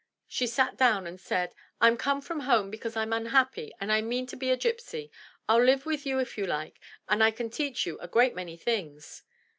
She sat down and said, " Fm come from home because Fm unhappy and I mean to be a gypsy. FU live with you if you like, and I can teach you a great many things."